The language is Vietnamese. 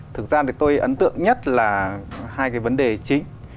thực ra thì tôi ấn tượng nhất là hai cái vấn đề chính